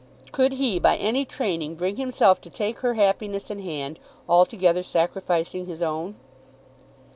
Could he, by any training, bring himself to take her happiness in hand, altogether sacrificing his own?